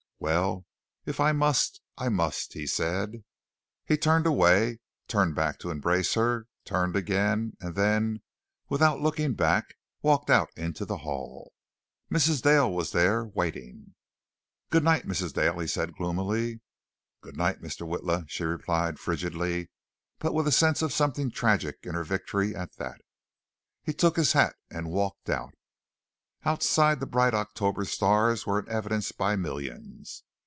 "Well, if I must, I must," he said. He turned away, turned back to embrace her, turned again and then, without looking back, walked out into the hall. Mrs. Dale was there waiting. "Good night, Mrs. Dale," he said gloomily. "Good night, Mr. Witla," she replied frigidly, but with a sense of something tragic in her victory at that. He took his hat and walked out. Outside the bright October stars were in evidence by millions.